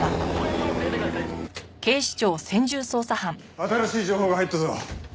新しい情報が入ったぞ。